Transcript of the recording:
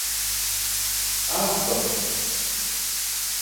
A vek.